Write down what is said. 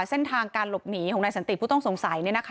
เส้นทางการหลบหนีของนายสันติผู้ต้องสงสัย